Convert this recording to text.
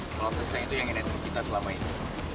kalau tristan itu yang nginetik kita selama ini